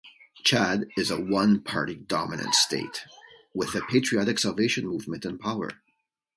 Chad is a one party dominant state with the Patriotic Salvation Movement in power.